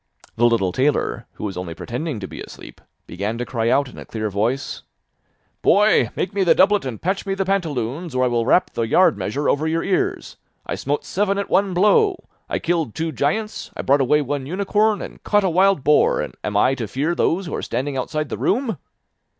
The little tailor, who was only pretending to be asleep, began to cry out in a clear voice: 'Boy, make me the doublet and patch me the pantaloons, or I will rap the yard measure over your ears. I smote seven at one blow. I killed two giants, I brought away one unicorn, and caught a wild boar, and am I to fear those who are standing outside the room.